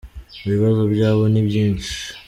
ibibazo byabo ni byinshi.